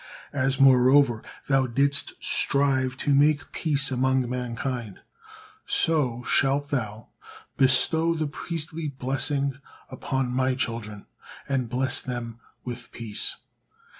As, moreover, thou didst strive to make peace among mankind, so shalt thou bestow the priestly blessing upon My children, and bless them with peace."